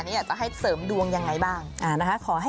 เรื่องของโชคลาบนะคะ